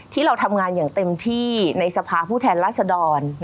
ที่เราทำงานอย่างเต็มที่ในสภาผู้แทนรัศดร